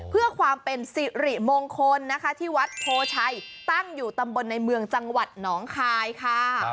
เพื่อความเป็นสิริมงคลนะคะที่วัดโพชัยตั้งอยู่ตำบลในเมืองจังหวัดหนองคายค่ะ